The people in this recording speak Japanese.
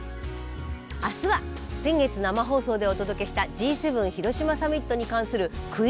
明日は先月生放送でお届けしたＧ７広島サミットに関するクイズ番組です。